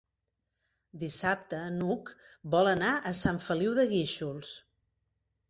Dissabte n'Hug vol anar a Sant Feliu de Guíxols.